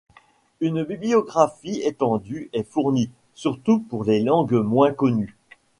Une bibliographie étendue est fournie, surtout pour les langues moins connues.